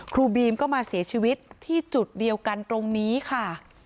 ครูบีมก็มาเสียชีวิตที่จุดเดียวกันตรงนี้ค่ะ